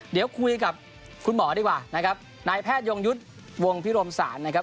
เดี๋ยวคุยกับคุณหมอดีกว่านะครับนายแพทยงยุทธ์วงพิรมศาลนะครับ